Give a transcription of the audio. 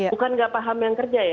bukan nggak paham yang kerja ya